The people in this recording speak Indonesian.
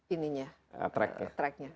ini nya track nya